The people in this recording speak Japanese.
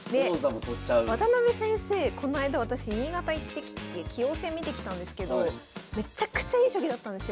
渡辺先生こないだ私新潟行ってきて棋王戦見てきたんですけどめちゃくちゃいい将棋だったんですよ。